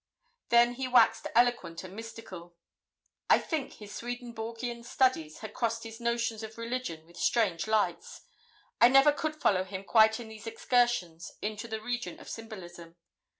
Then he waxed eloquent and mystical. I think his Swedenborgian studies had crossed his notions of religion with strange lights. I never could follow him quite in these excursions into the region of symbolism.